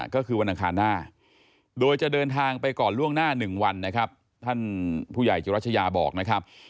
ก็คือวันอังคารหน้าโดยจะเดินทางไปก่อนล่วงหน้า๑วันนะครับท่านผู้ใหญ่จุรัชยาบอกนะครับ